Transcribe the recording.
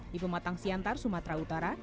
di pematang siantar sumatera utara